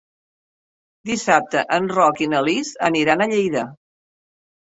Dissabte en Roc i na Lis aniran a Lleida.